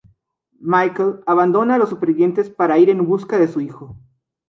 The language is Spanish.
Michael abandona a los supervivientes para ir en busca de su hijo.